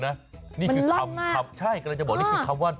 มันล่อนมากใช่กำลังจะบอกว่านี่คือคำว่า